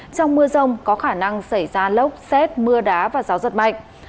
trong mưa rông có khả năng xảy ra lốc xét mưa đá và gió giật mạnh